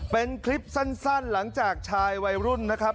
เป็นคลิปสั้นหลังจากชายวัยรุ่นนะครับ